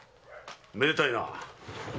めでたいな。